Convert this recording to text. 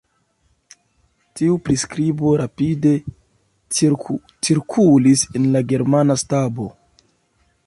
Tiu priskribo rapide cirkulis en la germana stabo.